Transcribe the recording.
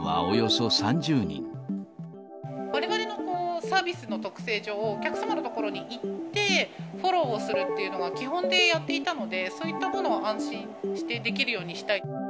われわれのサービスの特性上、お客様の所に行って、フォローをするっていうのが基本でやっていたので、そういったものを安心してできるようにしたい。